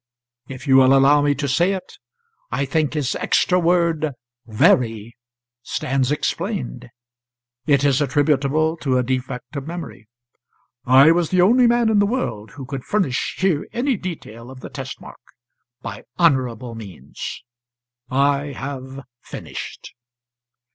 If you will allow me to say it, I think his extra word 'very' stands explained: it is attributable to a defect of memory. I was the only man in the world who could furnish here any detail of the test mark by honourable means. I have finished."